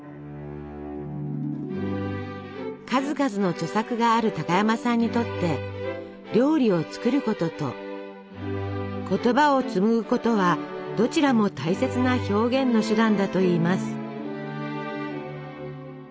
数々の著作がある高山さんにとって料理を作ることと言葉を紡ぐことはどちらも大切な「表現の手段」だといいます。